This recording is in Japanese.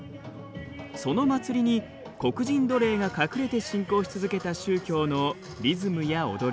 その祭りに黒人奴隷が隠れて信仰し続けた宗教のリズムや踊り